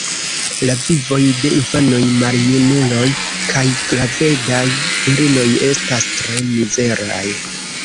La vivoj de infanoj, maljunuloj kaj gravedaj virinoj estas tre mizeraj.